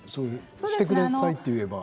してくださいと言えば？